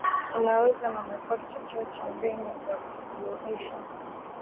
unaweza na umekuwa kichocheo cha mbinu za kusuluhisha